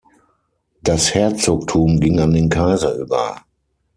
Das Herzogtum ging an den Kaiser über.